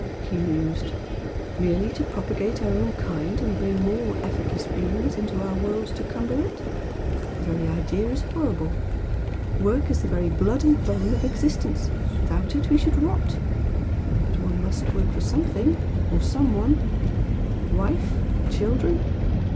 he mused "Merely to propagate our own kind and bring more effortless beings into the world to cumber it? The very idea is horrible! Work is the very blood and bone of existence without it we should rot! But one must work for something or some one wife? children?